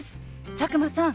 佐久間さん